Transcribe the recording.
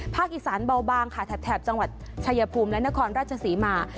อีสานเบาบางค่ะแถบจังหวัดชายภูมิและนครราชศรีมา